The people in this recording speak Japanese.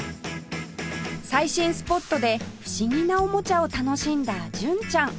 最新スポットで不思議なおもちゃを楽しんだ純ちゃん